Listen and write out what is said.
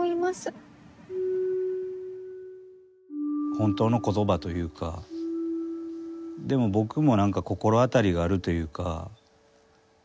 本当の言葉というかでも僕も何か心当たりがあるというか。